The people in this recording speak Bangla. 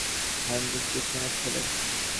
হার্ডিন খ্রিস্টানের ছেলে।